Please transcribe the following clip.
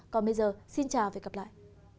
còn bây giờ xin chào và hẹn gặp lại